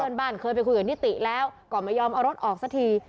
เพื่อนบ้านเคยไปคุยกับนิติแล้วก็ไม่ยอมเอารถออกสักที